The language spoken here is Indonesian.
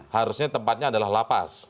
harusnya tempatnya adalah lapas